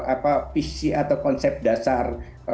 apa visi atau konsep dasar